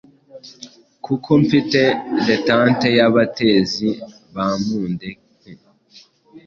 Kuko mfite detante yabatezi bamadenke